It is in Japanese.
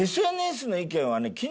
ＳＮＳの意見はね